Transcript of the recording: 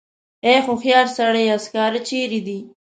ای هوښیار سړیه سکاره چېرې دي.